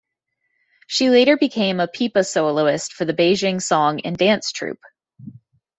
She later became a pipa soloist for the Beijing Song and Dance Troupe.